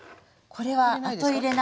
これは後入れなんです。